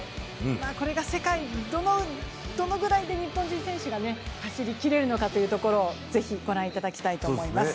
世界にどのぐらいで日本人選手が走りきれるかというところをぜひご覧いただきたいと思います。